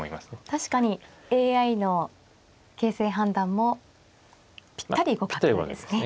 確かにＡＩの形勢判断もぴったり互角ですね。